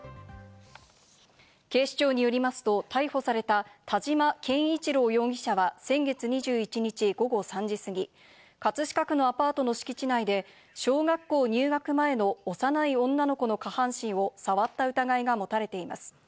警視庁によりますと、逮捕された田島憲一郎容疑者は先月２１日午後３時過ぎ、葛飾区のアパートの敷地内で小学校入学前の幼い女の子の下半身を触った疑いが持たれています。